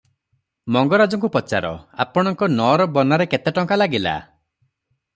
ମଙ୍ଗରାଜଙ୍କୁ ପଚାର, ଆପଣଙ୍କ ନଅର ବନାରେ କେତେଟଙ୍କା ଲାଗିଲା?